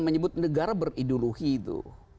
menyebut negara berideologi itu